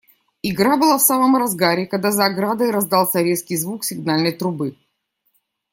Игра была в самом разгаре, когда за оградой раздался резкий звук сигнальной трубы.